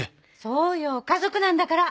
そうよ家族なんだから。